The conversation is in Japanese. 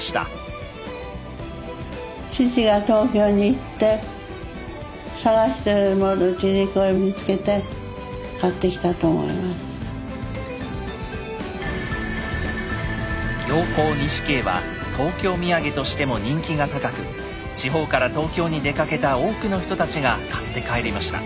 行幸錦絵は東京土産としても人気が高く地方から東京に出かけた多くの人たちが買って帰りました。